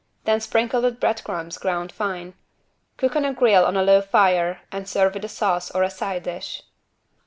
Then sprinkle with bread crumbs ground fine. Cook on a grill on a low fire and serve with a sauce or a side dish.